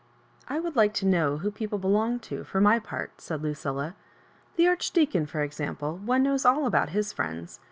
" I like to know who people belong to, for my part, " said Lucilla. *' The Archdeacon, for exam pie, one knows aU about his friends.